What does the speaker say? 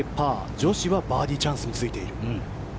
女子はバーディーチャンスについている。